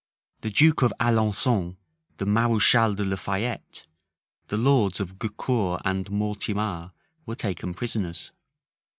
The duke of Alençon, the mareschal de la Fayette, the lords of Gaucour and Mortemar, were taken prisoners.